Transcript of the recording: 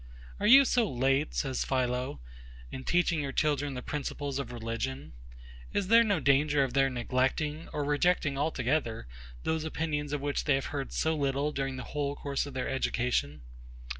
Are you so late, says PHILO, in teaching your children the principles of religion? Is there no danger of their neglecting, or rejecting altogether those opinions of which they have heard so little during the whole course of their education?